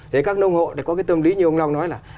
để các nông hộ có cái tâm lý như ông long nói là